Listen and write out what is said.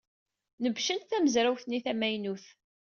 Nebcent tamezrawt-nni tamaynut.